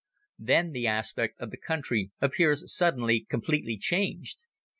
Then the aspect of the country appears suddenly completely changed.